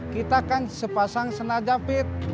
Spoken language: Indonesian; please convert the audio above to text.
kita kan sepasang sena japit